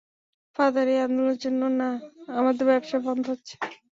Father, এই আন্দোলনের জন্য না আমাদের ব্যবসা বন্ধ হচ্ছে।